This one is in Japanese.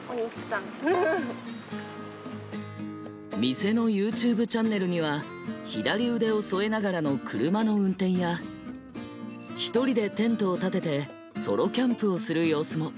店のＹｏｕＴｕｂｅチャンネルには左腕を添えながらの車の運転や１人でテントを建ててソロキャンプをする様子も。